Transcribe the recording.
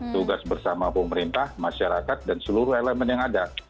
tugas bersama pemerintah masyarakat dan seluruh elemen yang ada